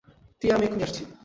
টিয়া - আমি এক্ষুনি আসছি।